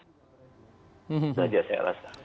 itu saja saya rasa